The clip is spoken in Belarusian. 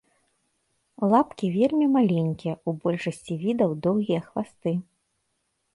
Лапкі вельмі маленькія, у большасці відаў доўгія хвасты.